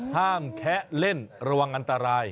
แคะเล่นระวังอันตราย